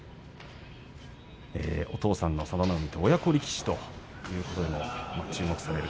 お父さんの佐田の海と親子力士ということでも注目される